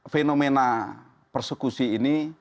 fenomena persekusi ini